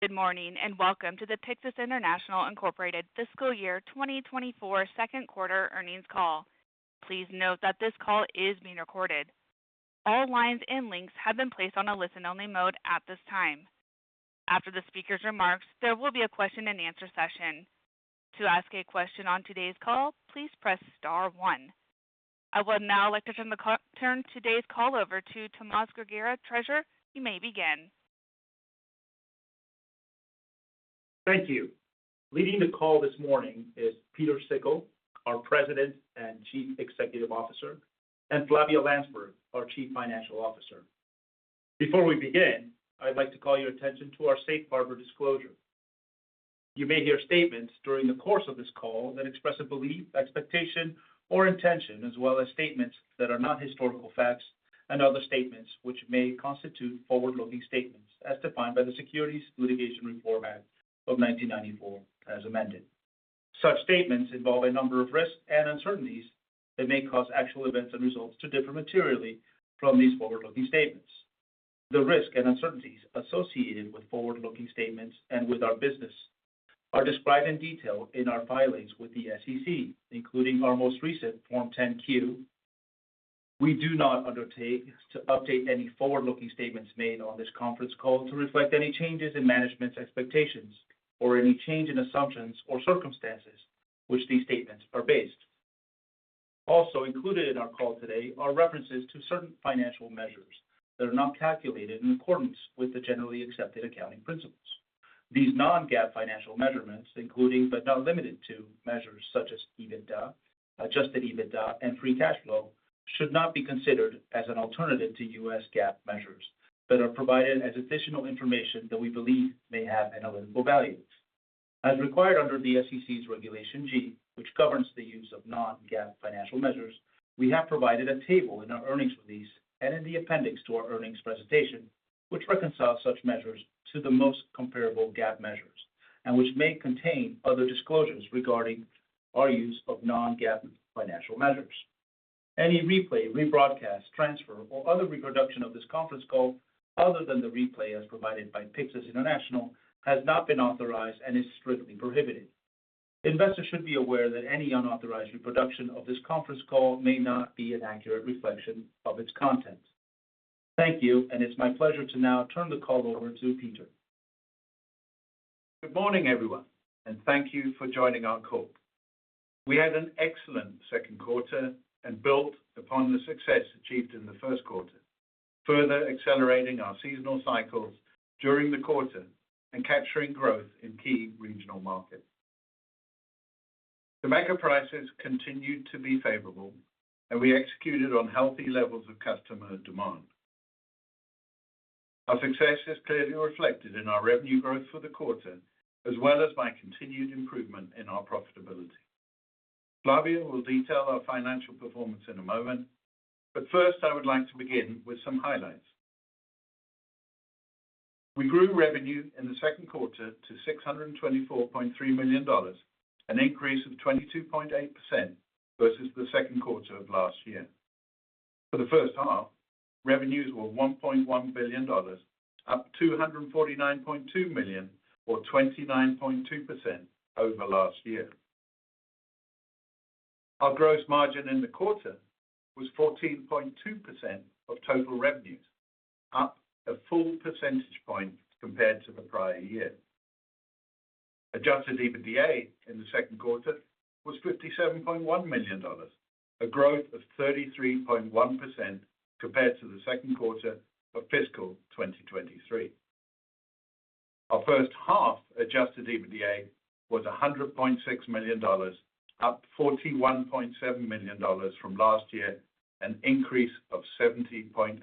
Good morning, and welcome to the Pyxus International Incorporated fiscal year 2024 second quarter earnings call. Please note that this call is being recorded. All lines and links have been placed on a listen-only mode at this time. After the speaker's remarks, there will be a question-and-answer session. To ask a question on today's call, please press star one. I would now like to turn today's call over to Tomas Grigera, Treasurer. You may begin. Thank you. Leading the call this morning is Pieter Sikkel, our President and Chief Executive Officer, and Flavia Landsberg, our Chief Financial Officer. Before we begin, I'd like to call your attention to our safe harbor disclosure. You may hear statements during the course of this call that express a belief, expectation, or intention, as well as statements that are not historical facts and other statements which may constitute forward-looking statements as defined by the Securities Litigation Reform Act of 1995, as amended. Such statements involve a number of risks and uncertainties that may cause actual events and results to differ materially from these forward-looking statements. The risks and uncertainties associated with forward-looking statements and with our business are described in detail in our filings with the SEC, including our most recent Form 10-Q. We do not undertake to update any forward-looking statements made on this conference call to reflect any changes in management's expectations or any change in assumptions or circumstances which these statements are based. Also included in our call today are references to certain financial measures that are not calculated in accordance with the generally accepted accounting principles. These non-GAAP financial measurements, including but not limited to, measures such as EBITDA, adjusted EBITDA, and free cash flow, should not be considered as an alternative to U.S. GAAP measures, but are provided as additional information that we believe may have analytical value. As required under the SEC's Regulation G, which governs the use of non-GAAP financial measures, we have provided a table in our earnings release and in the appendix to our earnings presentation, which reconciles such measures to the most comparable GAAP measures and which may contain other disclosures regarding our use of non-GAAP financial measures. Any replay, rebroadcast, transfer, or other reproduction of this conference call, other than the replay as provided by Pyxus International, has not been authorized and is strictly prohibited. Investors should be aware that any unauthorized reproduction of this conference call may not be an accurate reflection of its contents. Thank you, and it's my pleasure to now turn the call over to Pieter. Good morning, everyone, and thank you for joining our call. We had an excellent second quarter and built upon the success achieved in the first quarter, further accelerating our seasonal cycles during the quarter and capturing growth in key regional markets. Tobacco prices continued to be favorable and we executed on healthy levels of customer demand. Our success is clearly reflected in our revenue growth for the quarter, as well as by continued improvement in our profitability. Flavia will detail our financial performance in a moment, but first, I would like to begin with some highlights. We grew revenue in the second quarter to $624.3 million, an increase of 22.8% versus the second quarter of last year. For the first half, revenues were $1.1 billion, up $249.2 million or 29.2% over last year. Our gross margin in the quarter was 14.2% of total revenues, up a full percentage point compared to the prior year. Adjusted EBITDA in the second quarter was $57.1 million, a growth of 33.1% compared to the second quarter of fiscal 2023. Our first half Adjusted EBITDA was $100.6 million, up $41.7 million from last year, an increase of 17.8%,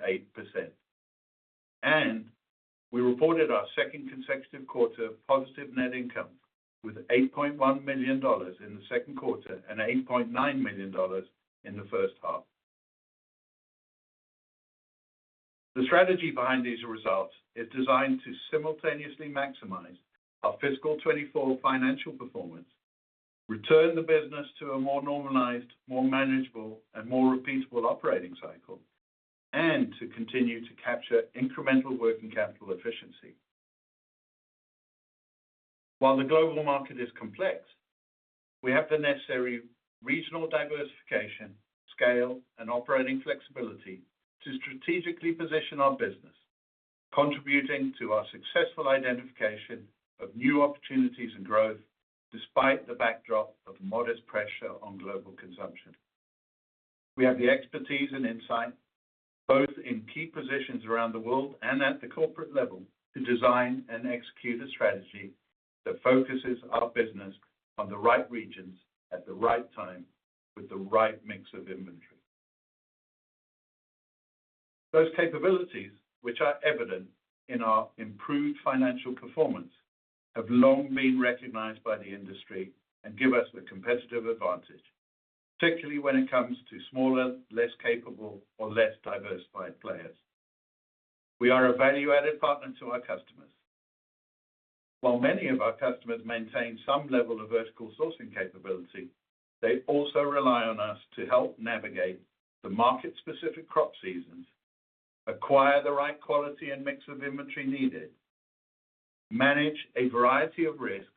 and we reported our second consecutive quarter positive net income with $8.1 million in the second quarter and $8.9 million in the first half. The strategy behind these results is designed to simultaneously maximize our fiscal 2024 financial performance, return the business to a more normalized, more manageable, and more repeatable operating cycle, and to continue to capture incremental working capital efficiency. While the global market is complex, we have the necessary regional diversification, scale, and operating flexibility to strategically position our business, contributing to our successful identification of new opportunities and growth despite the backdrop of modest pressure on global consumption. We have the expertise and insight, both in key positions around the world and at the corporate level, to design and execute a strategy that focuses our business on the right regions at the right time, with the right mix of inventory. Those capabilities, which are evident in our improved financial performance, have long been recognized by the industry and give us a competitive advantage, particularly when it comes to smaller, less capable or less diversified players. We are a value-added partner to our customers. While many of our customers maintain some level of vertical sourcing capability. They also rely on us to help navigate the market-specific crop seasons, acquire the right quality and mix of inventory needed, manage a variety of risks,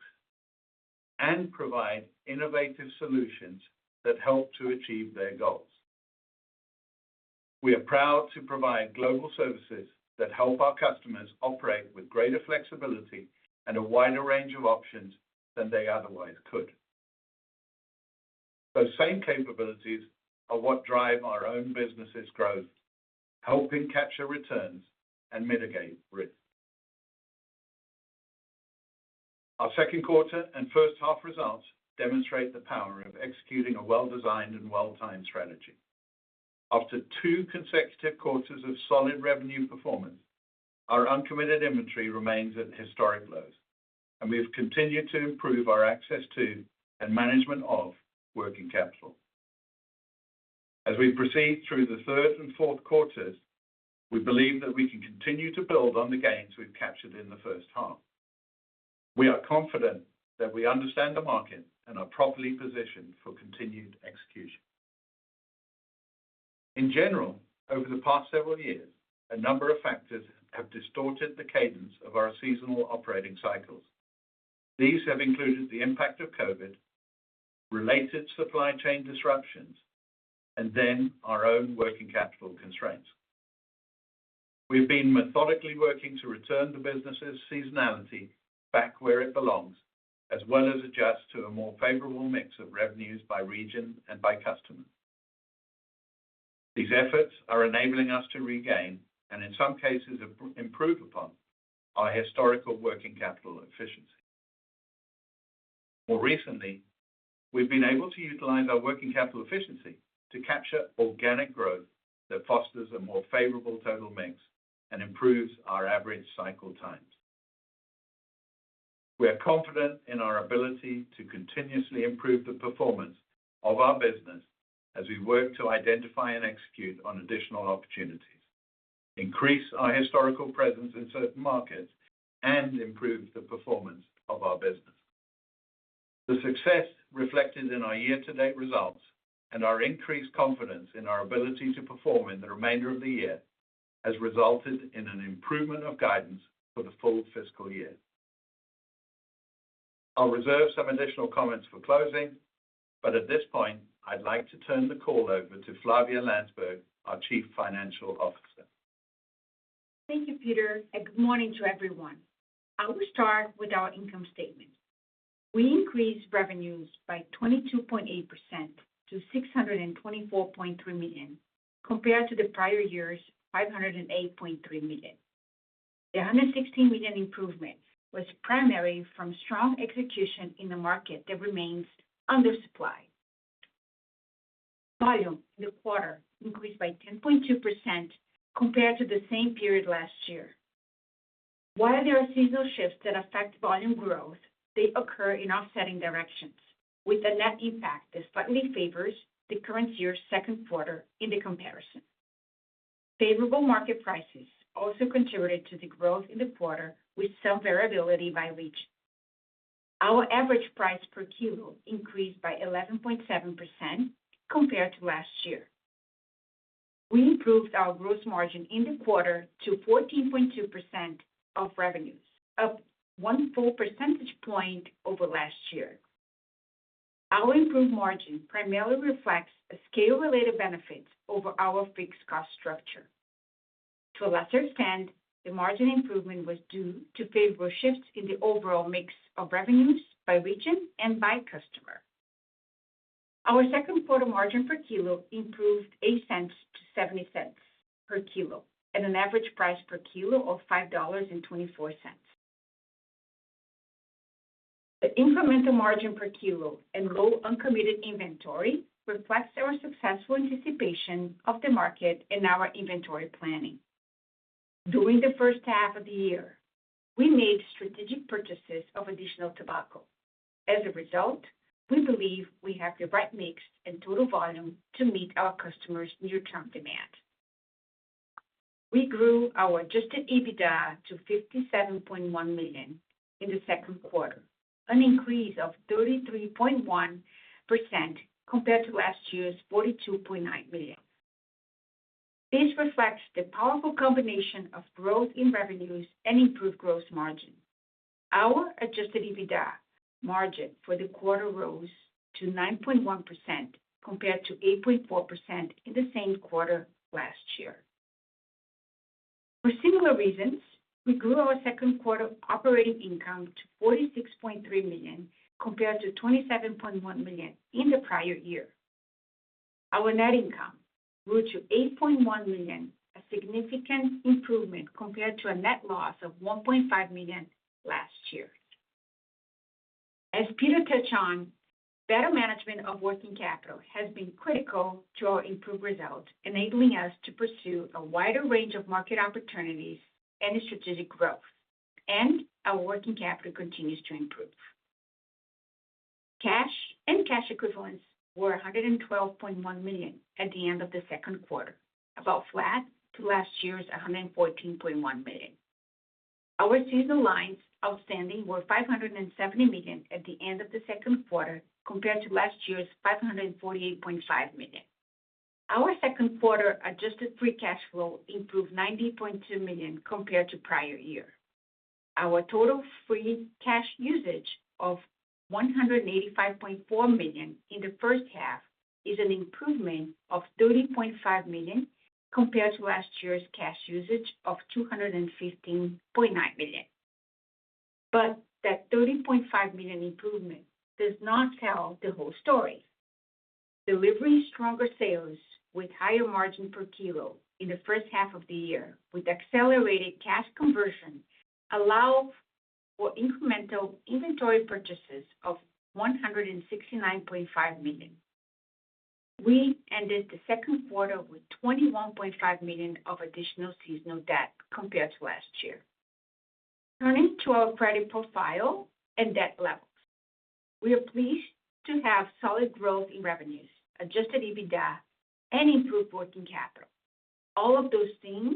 and provide innovative solutions that help to achieve their goals. We are proud to provide global services that help our customers operate with greater flexibility and a wider range of options than they otherwise could. Those same capabilities are what drive our own business's growth, helping capture returns and mitigate risk. Our second quarter and first half results demonstrate the power of executing a well-designed and well-timed strategy. After two consecutive quarters of solid revenue performance, our uncommitted inventory remains at historic lows, and we've continued to improve our access to and management of working capital. As we proceed through the third and fourth quarters, we believe that we can continue to build on the gains we've captured in the first half. We are confident that we understand the market and are properly positioned for continued execution. In general, over the past several years, a number of factors have distorted the cadence of our seasonal operating cycles. These have included the impact of COVID, related supply chain disruptions, and then our own working capital constraints. We've been methodically working to return the business's seasonality back where it belongs, as well as adjust to a more favorable mix of revenues by region and by customer. These efforts are enabling us to regain, and in some cases, improve upon, our historical working capital efficiency. More recently, we've been able to utilize our working capital efficiency to capture organic growth that fosters a more favorable total mix and improves our average cycle times. We are confident in our ability to continuously improve the performance of our business as we work to identify and execute on additional opportunities, increase our historical presence in certain markets, and improve the performance of our business. The success reflected in our year-to-date results and our increased confidence in our ability to perform in the remainder of the year has resulted in an improvement of guidance for the full fiscal year. I'll reserve some additional comments for closing, but at this point, I'd like to turn the call over to Flavia Landsberg, our Chief Financial Officer. Thank you, Pieter, and good morning to everyone. I will start with our income statement. We increased revenues by 22.8% to $624.3 million, compared to the prior year's $508.3 million. The $116 million improvement was primarily from strong execution in the market that remains undersupplied. Volume in the quarter increased by 10.2% compared to the same period last year. While there are seasonal shifts that affect volume growth, they occur in offsetting directions, with a net impact that slightly favors the current year's second quarter in the comparison. Favorable market prices also contributed to the growth in the quarter, with some variability by region. Our average price per kilo increased by 11.7% compared to last year. We improved our gross margin in the quarter to 14.2% of revenues, up one full percentage point over last year. Our improved margin primarily reflects the scale-related benefits over our fixed cost structure. To a lesser extent, the margin improvement was due to favorable shifts in the overall mix of revenues by region and by customer. Our second quarter margin per kilo improved $0.08 to $0.70 per kilo, at an average price per kilo of $5.24. The incremental margin per kilo and low uncommitted inventory reflects our successful anticipation of the market and our inventory planning. During the first half of the year, we made strategic purchases of additional tobacco. As a result, we believe we have the right mix and total volume to meet our customers' near-term demand. We grew our Adjusted EBITDA to $57.1 million in the second quarter, an increase of 33.1% compared to last year's $42.9 million. This reflects the powerful combination of growth in revenues and improved gross margin. Our Adjusted EBITDA margin for the quarter rose to 9.1%, compared to 8.4% in the same quarter last year. For similar reasons, we grew our second quarter operating income to $46.3 million, compared to $27.1 million in the prior year. Our net income grew to $8.1 million, a significant improvement compared to a net loss of $1.5 million last year. As Pieter touched on, better management of working capital has been critical to our improved results, enabling us to pursue a wider range of market opportunities and strategic growth. Our working capital continues to improve. Cash and cash equivalents were $112.1 million at the end of the second quarter, about flat to last year's $114.1 million. Our seasonal lines outstanding were $570 million at the end of the second quarter, compared to last year's $548.5 million. Our second quarter adjusted free cash flow improved $90.2 million compared to prior year. Our total free cash usage of $185.4 million in the first half is an improvement of $30.5 million compared to last year's cash usage of $215.9 million. That $30.5 million improvement does not tell the whole story. Delivering stronger sales with higher margin per kilo in the first half of the year, with accelerated cash conversion, allow for incremental inventory purchases of $169.5 million. We ended the second quarter with $21.5 million of additional seasonal debt compared to last year. Turning to our credit profile and debt levels. We are pleased to have solid growth in revenues, Adjusted EBITDA, and improved working capital. All of those things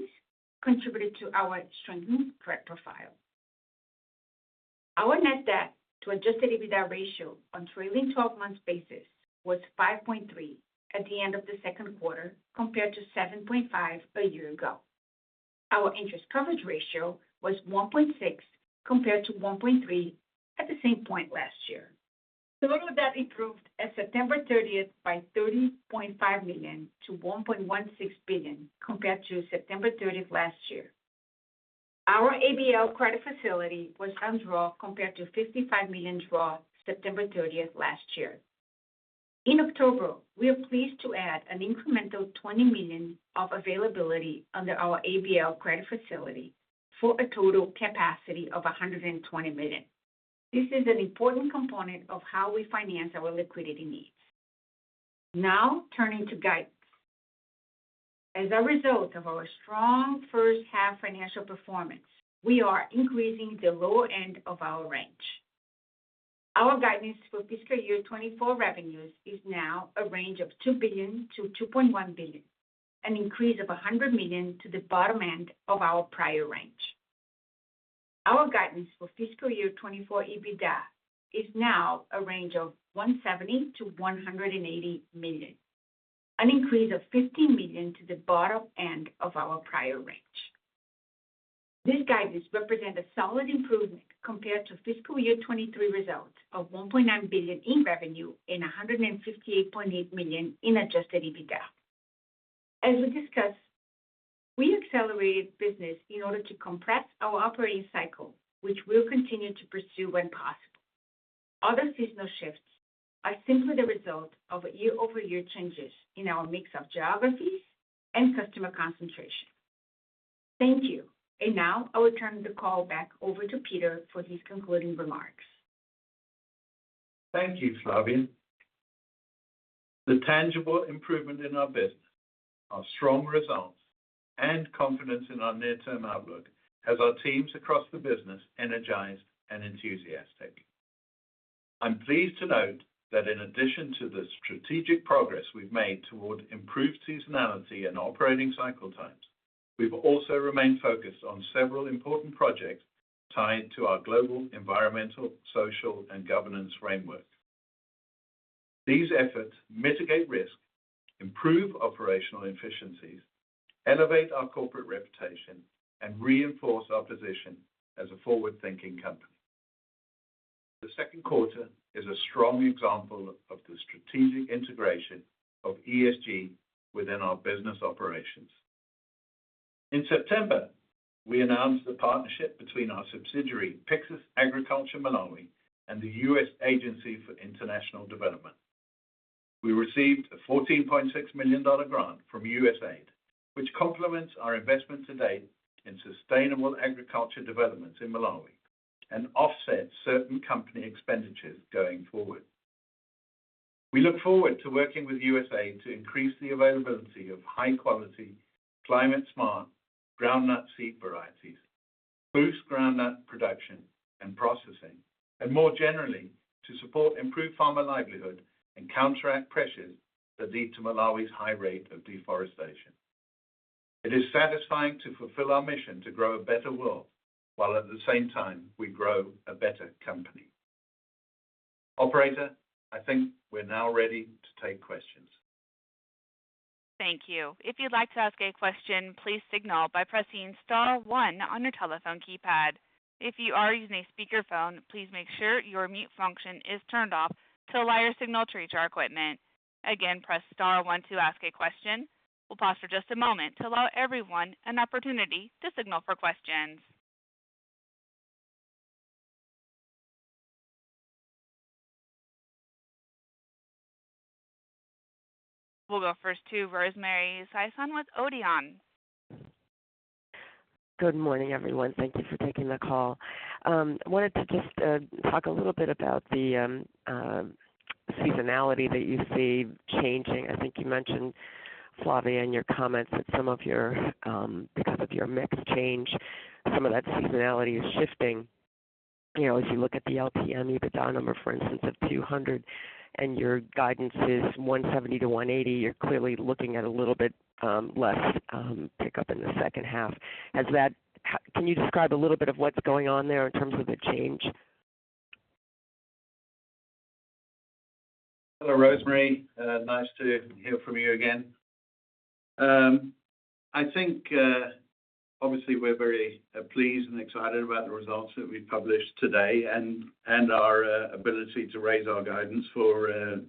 contributed to our strengthened credit profile. Our Net Debt to Adjusted EBITDA ratio on trailing 12 months basis was 5.3 at the end of the second quarter, compared to 7.5 a year ago. Our interest coverage ratio was 1.6, compared to 1.3 at the same point last year. Total debt improved as of September 30th by $30.5 million to $1.16 billion, compared to September 30th last year. Our ABL credit facility was undrawn compared to $55 million drawn September 30th last year. In October, we are pleased to add an incremental $20 million of availability under our ABL credit facility for a total capacity of $120 million. This is an important component of how we finance our liquidity needs. Now, turning to guidance. As a result of our strong first half financial performance, we are increasing the lower end of our range. Our guidance for fiscal year 2024 revenues is now a range of $2 billion-$2.1 billion, an increase of $100 million to the bottom end of our prior range. Our guidance for fiscal year 2024 EBITDA is now a range of $170 million-$180 million, an increase of $50 million to the bottom end of our prior range. This guidance represents a solid improvement compared to fiscal year 2023 results of $1.9 billion in revenue and $158.8 million in Adjusted EBITDA. As we discussed, we accelerated business in order to compress our operating cycle, which we'll continue to pursue when possible. Other seasonal shifts are simply the result of year-over-year changes in our mix of geographies and customer concentration. Thank you. And now I will turn the call back over to Pieter for his concluding remarks. Thank you, Flavia. The tangible improvement in our business, our strong results, and confidence in our near-term outlook has our teams across the business energized and enthusiastic. I'm pleased to note that in addition to the strategic progress we've made toward improved seasonality and operating cycle times, we've also remained focused on several important projects tied to our global environmental, social, and governance framework. These efforts mitigate risk, improve operational efficiencies, elevate our corporate reputation, and reinforce our position as a forward-thinking company. The second quarter is a strong example of the strategic integration of ESG within our business operations. In September, we announced the partnership between our subsidiary, Pyxus Agriculture Malawi, and the U.S. Agency for International Development. We received a $14.6 million grant from USAID, which complements our investment to date in sustainable agriculture developments in Malawi and offsets certain company expenditures going forward. We look forward to working with USAID to increase the availability of high-quality, climate-smart groundnut seed varieties, boost groundnut production and processing, and more generally, to support improved farmer livelihood and counteract pressures that lead to Malawi's high rate of deforestation. It is satisfying to fulfill our mission to grow a better world, while at the same time we grow a better company. Operator, I think we're now ready to take questions. Thank you. If you'd like to ask a question, please signal by pressing star one on your telephone keypad. If you are using a speakerphone, please make sure your mute function is turned off to allow your signal to reach our equipment. Again, press star one to ask a question. We'll pause for just a moment to allow everyone an opportunity to signal for questions. We'll go first to Rosemary Sisson with Odeon. Good morning, everyone. Thank you for taking the call. I wanted to just talk a little bit about the seasonality that you see changing. I think you mentioned, Flavia, in your comments that some of your, because of your mix change, some of that seasonality is shifting. You know, if you look at the LTM EBITDA number, for instance, of $200, and your guidance is $170-$180, you're clearly looking at a little bit less pick up in the second half. Can you describe a little bit of what's going on there in terms of the change? Hello, Rosemary. Nice to hear from you again. I think obviously we're very pleased and excited about the results that we published today and our ability to raise our guidance for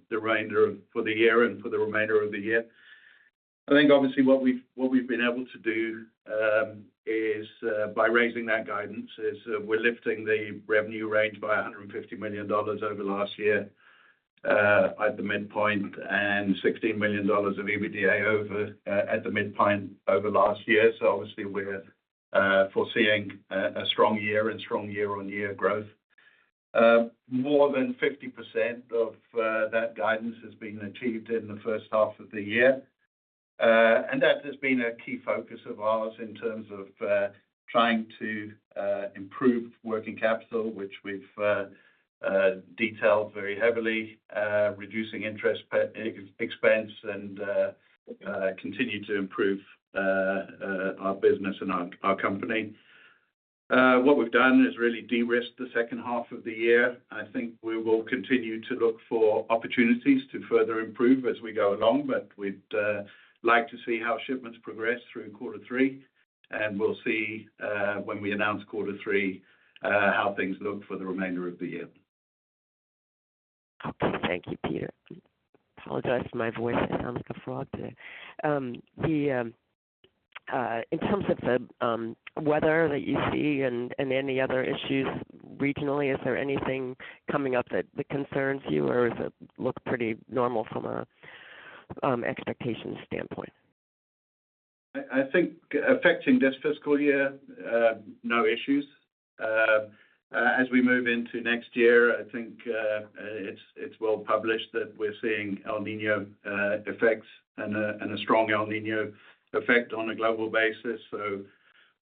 the remainder of the year. I think obviously what we've been able to do is by raising that guidance, we're lifting the revenue range by $150 million over last year at the midpoint, and $16 million of EBITDA at the midpoint over last year. So obviously we're foreseeing a strong year and strong year-on-year growth. More than 50% of that guidance has been achieved in the first half of the year. And that has been a key focus of ours in terms of trying to improve working capital, which we've detailed very heavily, reducing interest expense and continue to improve our business and our company. What we've done is really de-risk the second half of the year. I think we will continue to look for opportunities to further improve as we go along, but we'd like to see how shipments progress through quarter three, and we'll see when we announce quarter three how things look for the remainder of the year. Okay. Thank you, Pieter. I apologize for my voice. It sounds like a frog today. In terms of the weather that you see and any other issues regionally, is there anything coming up that concerns you, or does it look pretty normal from an expectation standpoint? I think affecting this fiscal year, no issues. As we move into next year, I think it's well published that we're seeing El Niño effects and a strong El Niño effect on a global basis. So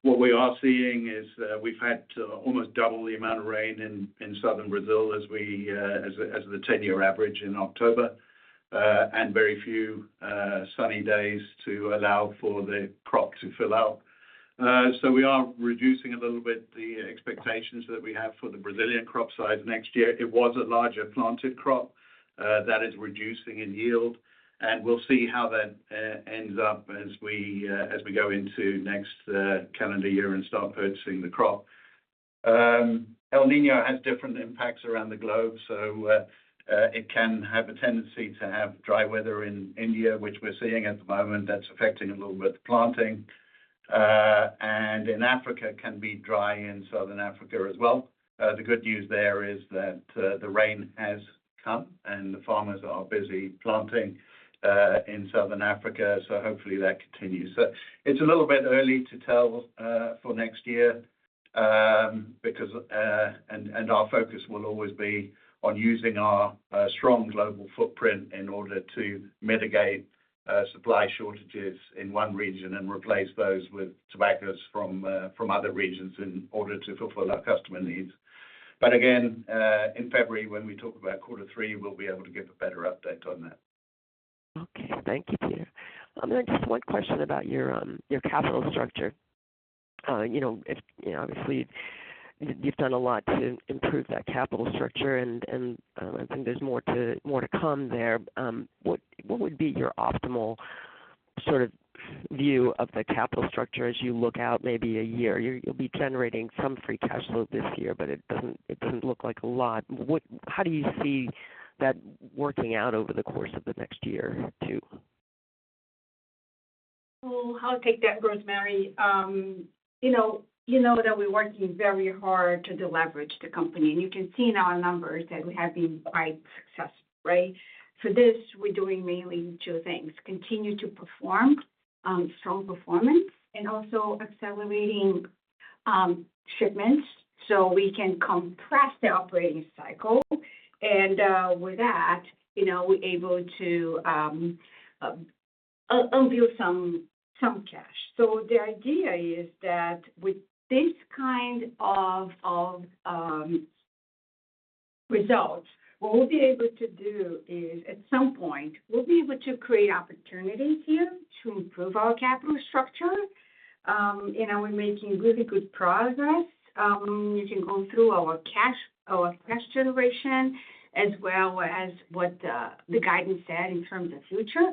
what we are seeing is, we've had almost double the amount of rain in southern Brazil as the 10-year average in October, and very few sunny days to allow for the crop to fill out. So we are reducing a little bit the expectations that we have for the Brazilian crop size next year. It was a larger planted crop that is reducing in yield, and we'll see how that ends up as we go into next calendar year and start purchasing the crop. El Niño has different impacts around the globe, so, it can have a tendency to have dry weather in India, which we're seeing at the moment. That's affecting a little bit the planting. And in Africa, it can be dry in southern Africa as well. The good news there is that, the rain has come, and the farmers are busy planting, in southern Africa, so hopefully, that continues. So it's a little bit early to tell, for next year, because. Our focus will always be on using our, strong global footprint in order to mitigate, supply shortages in one region and replace those with tobaccos from, from other regions in order to fulfill our customer needs. But again, in February, when we talk about quarter three, we'll be able to give a better update on that. Okay. Thank you, Pieter. Then just one question about your capital structure. You know, if, you know, obviously, you've done a lot to improve that capital structure, and, and, I think there's more to, more to come there. What would be your optimal sort of view of the capital structure as you look out maybe a year? You'll be generating some free cash flow this year, but it doesn't, it doesn't look like a lot. What, how do you see that working out over the course of the next year or two? Well, I'll take that, Rosemary. You know that we're working very hard to deleverage the company, and you can see in our numbers that we have been quite successful, right? For this, we're doing mainly two things: continue to perform strong performance and also accelerating shipments so we can compress the operating cycle. And with that, you know, we're able to unveil some cash. So the idea is that with this kind of results, what we'll be able to do is, at some point, we'll be able to create opportunities here to improve our capital structure. You know, we're making really good progress. You can go through our cash, our cash generation, as well as what the guidance said in terms of the future.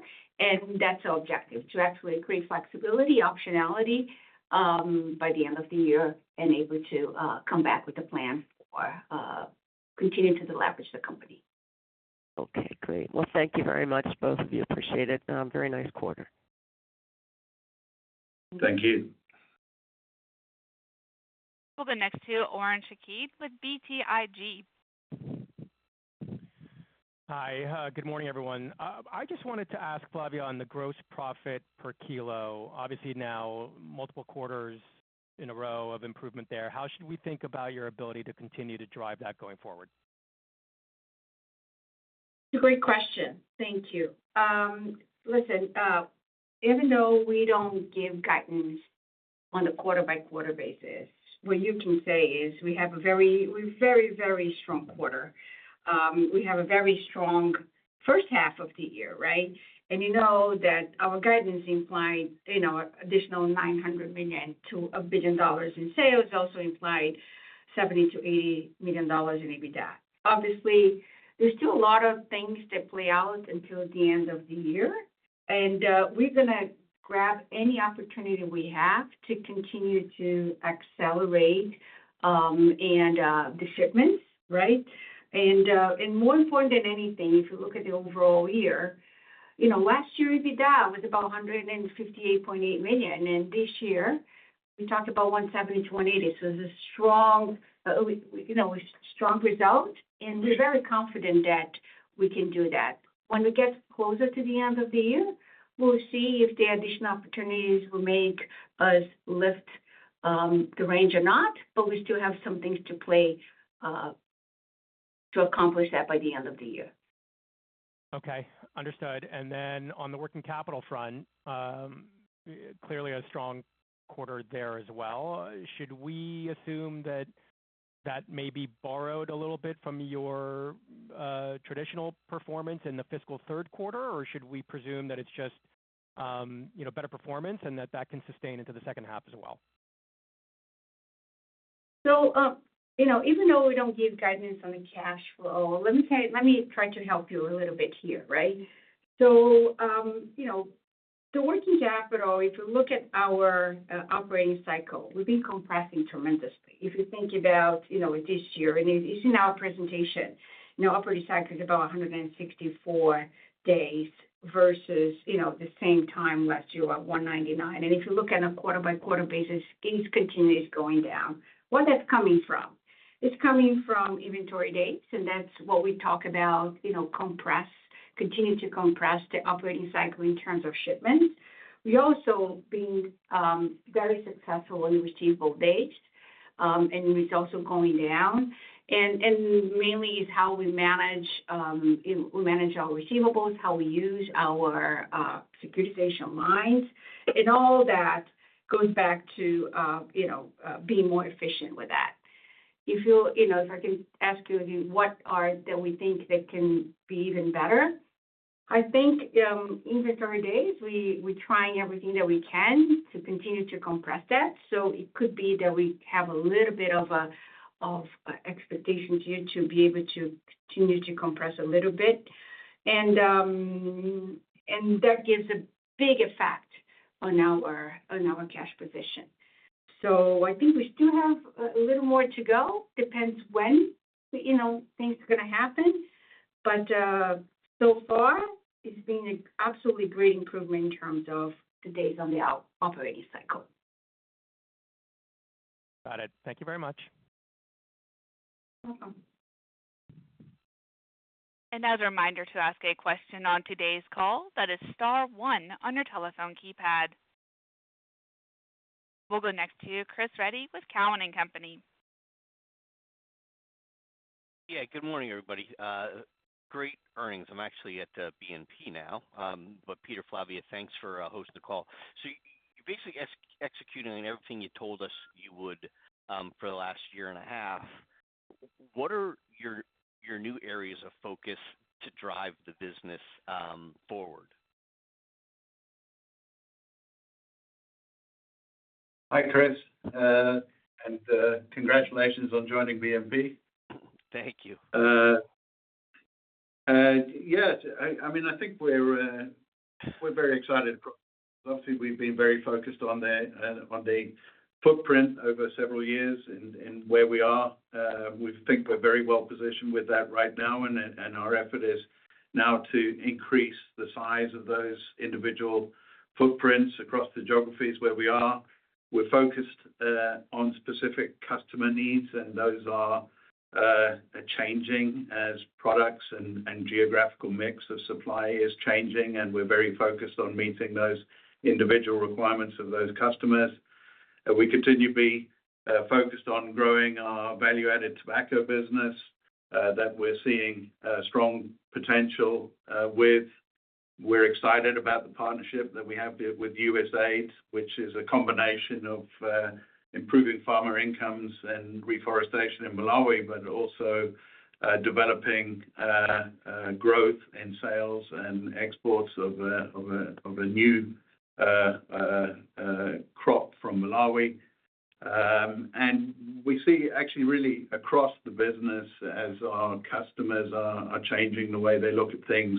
That's our objective, to actually create flexibility, optionality, by the end of the year and able to come back with a plan for continuing to deleverage the company. Okay, great. Well, thank you very much, both of you. Appreciate it. Very nice quarter. Thank you. We'll go next to Oren Shaked with BTIG. Hi, good morning, everyone. I just wanted to ask Flavia on the gross profit per kilo. Obviously, now, multiple quarters in a row of improvement there. How should we think about your ability to continue to drive that going forward? Great question. Thank you. Listen, even though we don't give guidance on a quarter-by-quarter basis, what you can say is we have a very very strong quarter. We have a very strong first half of the year, right? And you know that our guidance implied, you know, additional $900 million-$1 billion in sales, also implied $70 million-$80 million in EBITDA. Obviously, there's still a lot of things to play out until the end of the year, and we're gonna grab any opportunity we have to continue to accelerate, and the shipments, right? And, and more important than anything, if you look at the overall year, you know, last year, EBITDA was about $158.8 million, and this year, we talked about $170 million-$180 million. So it's a strong, you know, strong result, and we're very confident that we can do that. When we get closer to the end of the year, we'll see if the additional opportunities will make us lift the range or not, but we still have some things to play to accomplish that by the end of the year. Okay, understood. On the working capital front, clearly a strong quarter there as well. Should we assume that that may be borrowed a little bit from your traditional performance in the fiscal third quarter? Or should we presume that it's just, you know, better performance and that that can sustain into the second half as well? So, you know, even though we don't give guidance on the cash flow, let me tell you, let me try to help you a little bit here, right? So, you know, the working capital, if you look at our operating cycle, we've been compressing tremendously. If you think about, you know, this year, and it's in our presentation, you know, operating cycle is about 164 days versus, you know, the same time last year at 199. And if you look at a quarter-by-quarter basis, it continues going down. Where that's coming from? It's coming from inventory days, and that's what we talk about, you know, compress, continue to compress the operating cycle in terms of shipments. We also being very successful in receivable days, and it's also going down. And mainly is how we manage, we manage our receivables, how we use our, securitization lines, and all that goes back to, you know, being more efficient with that. If you, you know, if I can ask you, what are that we think that can be even better? I think, inventory days, we're trying everything that we can to continue to compress that. So it could be that we have a little bit of a, of expectation here to be able to continue to compress a little bit. And, and that gives a big effect on our, on our cash position. So I think we still have a little more to go. Depends when, you know, things are gonna happen, but, so far, it's been an absolutely great improvement in terms of the days on the out, operating cycle. Got it. Thank you very much. Welcome. As a reminder to ask a question on today's call, that is star one on your telephone keypad. We'll go next to Chris Reddy with Cowen and Company. Yeah, good morning, everybody. Great earnings. I'm actually at BNP now, but Pieter, Flavia, thanks for hosting the call. So you basically executing everything you told us you would for the last year and a half. What are your new areas of focus to drive the business forward? Hi, Chris, and congratulations on joining BNP. Thank you. Yes, I mean, I think we're very excited. Obviously, we've been very focused on the footprint over several years and where we are. We think we're very well positioned with that right now, and our effort is now to increase the size of those individual footprints across the geographies where we are. We're focused on specific customer needs, and those are changing as products and geographical mix of supply is changing, and we're very focused on meeting those individual requirements of those customers. We continue to be focused on growing our value-added tobacco business that we're seeing strong potential with. We're excited about the partnership that we have with USAID, which is a combination of improving farmer incomes and reforestation in Malawi, but also developing growth in sales and exports of a new crop from Malawi. And we see actually really across the business as our customers are changing the way they look at things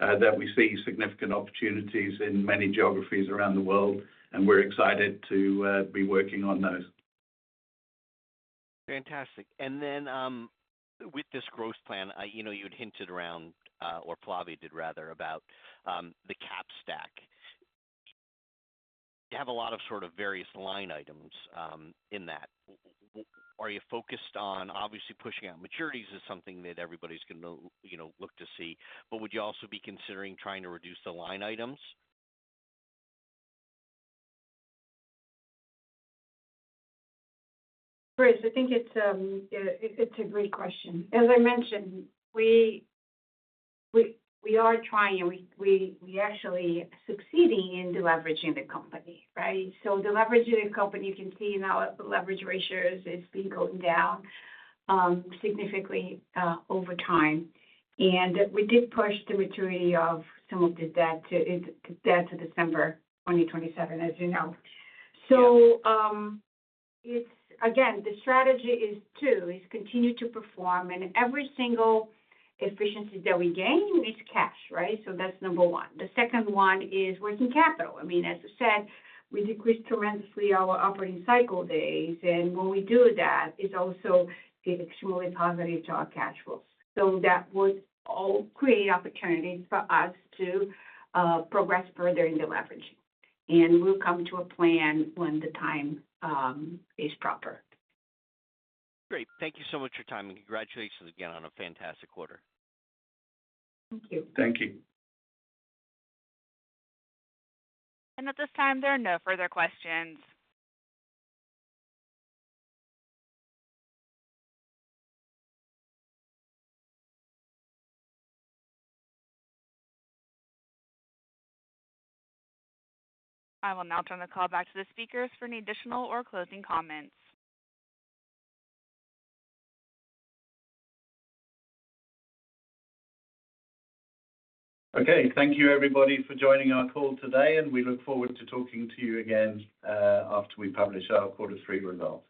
that we see significant opportunities in many geographies around the world, and we're excited to be working on those. Fantastic. And then, with this growth plan, you know, you'd hinted around, or Flavia did rather, about the cap stack. You have a lot of sort of various line items in that. Are you focused on, obviously, pushing out maturities is something that everybody's gonna, you know, look to see. But would you also be considering trying to reduce the line items? Chris, I think it's a great question. As I mentioned, we are trying, and we actually succeeding in deleveraging the company, right? So deleveraging the company, you can see now the leverage ratios has been going down significantly over time. And we did push the maturity of some of the debt to it, the debt to December 2027, as you know. So, it's again, the strategy is to continue to perform, and every single efficiency that we gain is cash, right? So that's number one. The second one is working capital. I mean, as I said, we decreased tremendously our operating cycle days, and when we do that, it also is actually positive to our cash flows. So that would all create opportunities for us to progress further in deleveraging. We'll come to a plan when the time is proper. Great. Thank you so much for your time, and congratulations again on a fantastic quarter. Thank you. Thank you. At this time, there are no further questions. I will now turn the call back to the speakers for any additional or closing comments. Okay. Thank you, everybody, for joining our call today, and we look forward to talking to you again after we publish our quarter three results.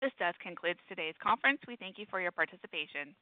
This does conclude today's conference. We thank you for your participation.